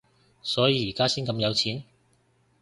所以而家先咁有錢？